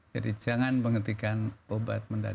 jadi jangan menghentikan obat mendadak